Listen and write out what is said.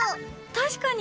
確かに！